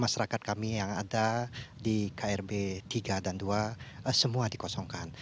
masyarakat kami yang ada di krb tiga dan dua semua dikosongkan